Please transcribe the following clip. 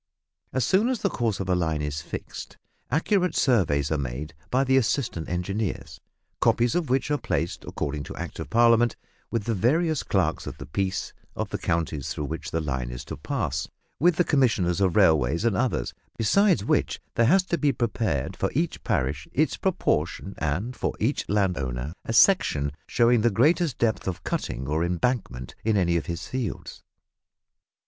As soon as the course of a line is fixed, accurate surveys are made by the assistant engineers, copies of which are placed, according to Act of Parliament, with the various clerks of the peace of the counties, through which the line is to pass, with the Commissioners of Railways and others, besides which there has to be prepared for each parish its proportion, and for each landholder a section showing the greatest depth of cutting or embankment in any of his fields.